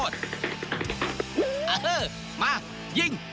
ตรงนี้มายิง